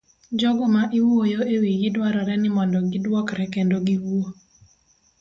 Jogo ma iwuoyo ewigi dwarore ni mondo giduokre kendo giwuo.